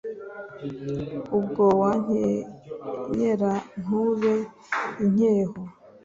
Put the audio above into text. ubwo wankenyera ntube inkeho,